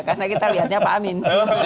karena kita lihatnya pak amin